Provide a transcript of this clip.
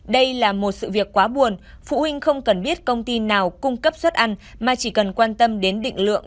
đây là một sự việc quá buồn phụ huynh không cần biết công ty nào cung cấp suất ăn mà chỉ cần quan tâm đến định lượng